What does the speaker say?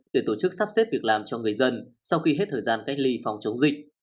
để tổ chức sắp xếp việc làm cho người dân sau khi hết thời gian cách ly phòng chống dịch